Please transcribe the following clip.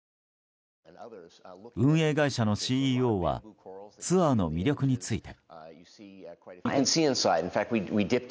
運営会社のＣＥＯはツアーの魅力について。